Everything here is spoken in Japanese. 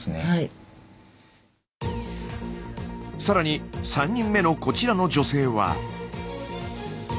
更に３人目のこちらの女性は。